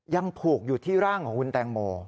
ยังผูกอยู่ที่ร่างของคุณแตงโม